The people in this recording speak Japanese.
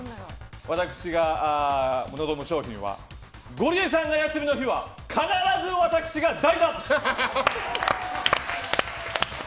私が望む賞品はゴリエさんが休みの日は必ず私が代打！